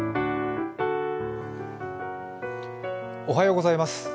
おはようございます。